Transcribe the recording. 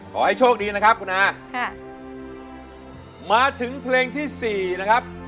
ขอให้โชคดีนะครับคุณอาค่ะมาถึงเพลงที่สี่นะครับ